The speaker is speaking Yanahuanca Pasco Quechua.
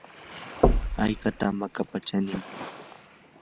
¿haykataq makapa chanin?